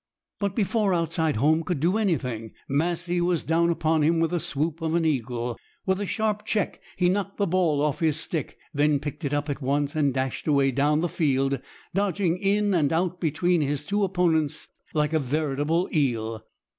But before outside home could do anything, Massie was down upon him with the swoop of an eagle. With a sharp check he knocked the ball off his stick, then picked it up at once, and dashed away down the field, dodging in and out between his two opponents like a veritable eel.